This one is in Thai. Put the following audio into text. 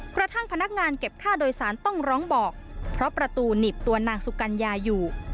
พนักงานเก็บค่าโดยสารต้องร้องบอกเพราะประตูหนีบตัวนางสุกัญญาอยู่